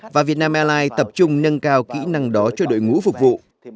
và việt nam airlines tập trung nâng cao kỹ năng đó cho đội ngũ phục vụ